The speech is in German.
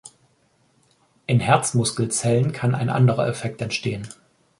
In Herzmuskelzellen kann ein anderer Effekt entstehen.